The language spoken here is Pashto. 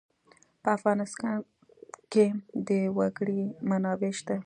په افغانستان کې د وګړي منابع شته.